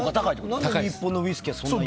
何で日本のウイスキーはそんなに？